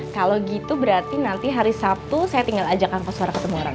kalau gitu berarti nanti hari sabtu saya tinggal ajak angkos suara ketemu orang